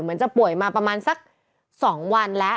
จะป่วยมาประมาณสัก๒วันแล้ว